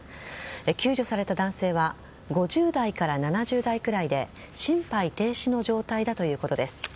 救助された男性は５０代から７０代くらいで心肺停止の状態だということです。